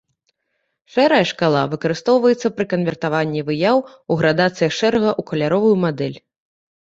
Шэрая шкала выкарыстоўваецца пры канвертаванні выяў у градацыях шэрага ў каляровую мадэль.